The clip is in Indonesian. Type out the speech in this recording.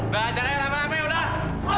bajak ya lama lamanya udah